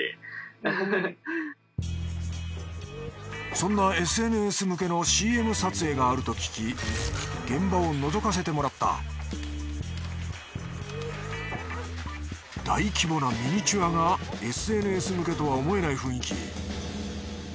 そんなＳＮＳ向けのＣＭ撮影があると聞き現場を覗かせてもらった大規模なミニチュアがＳＮＳ向けとは思えない雰囲気。